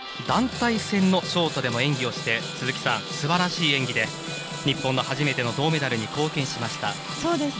団体戦のショートでも演技をしてすばらしい演技で日本の初めての銅メダルに貢献しました。